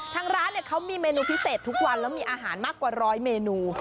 ทางร้านเขามีเมนูพิเศษทุกวันแล้วมีอาหารมากกว่าร้อยเมนู